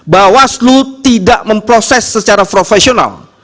bawaslu tidak memproses secara profesional